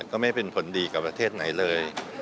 ก็ไม่เป็นผลดีกับประเทศไหนเลย